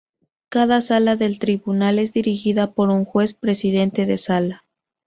Cada sala del tribunal es dirigida por un juez presidente de sala.